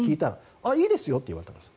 あ、いいですよって言われたんです。